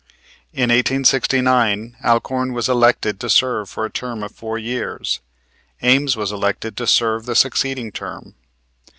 In 1869 Alcorn was elected to serve for a term of four years. Ames was elected to serve the succeeding term.